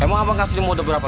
emang abang kasih modal berapa